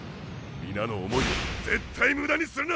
皆の思いを絶対無駄にするな！